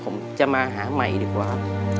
ผมจะมาหาใหม่ดีกว่า